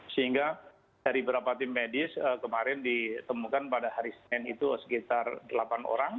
sehingga dari beberapa tim medis kemarin ditemukan pada hari senin itu sekitar delapan orang